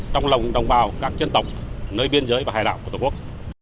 trong lòng đồng bào các chân tộc nơi biên giới và hải đạo của tổ quốc